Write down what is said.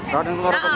radang tenggorokan iya